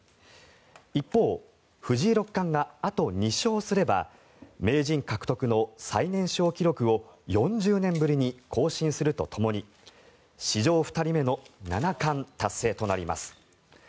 一方、藤井六冠があと２勝すれば名人獲得の最年少記録を４０年ぶりに更新するとともに史上２人目の七冠達成となります。